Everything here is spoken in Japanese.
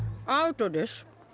アウトです。